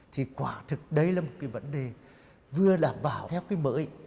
thì quả thực đây là một cái vấn đề vừa đảm bảo theo cái mới